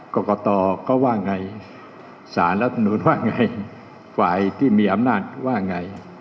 กรกตเขาว่าไงสารรัฐมนุนว่าไงฝ่ายที่มีอำนาจว่าไง